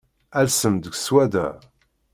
Alsem-d seg swadda.